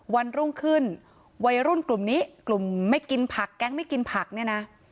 วันรุ่งขึ้นวัยรุ่นกลุ่มนี้กลุ่มไม่กินผักแก๊งไม่กินผักเนี่ยนะ